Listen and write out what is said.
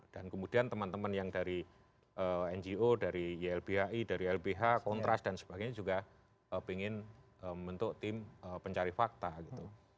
dan kemudian teman teman yang dari ngo dari ylbhi dari lbh kontras dan sebagainya juga pengen membentuk tim pencari fakta gitu